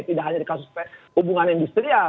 tidak hanya di kasus hubungan industrial